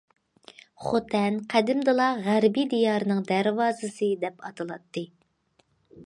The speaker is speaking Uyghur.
خوتەن قەدىمدىلا« غەربىي دىيارنىڭ دەرۋازىسى» دەپ ئاتىلاتتى.